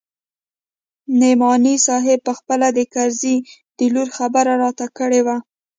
نعماني صاحب پخپله د کرزي د لور خبره راته کړې وه.